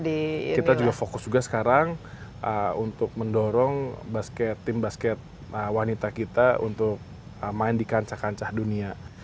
jadi kita juga fokus juga sekarang untuk mendorong basket tim basket wanita kita untuk main di kancah kancah dunia